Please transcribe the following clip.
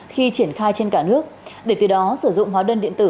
khi triển khai trên cả nước để từ đó sử dụng hóa đơn điện tử